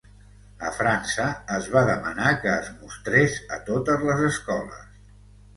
A França, es va demanar que es mostrés a totes les escoles.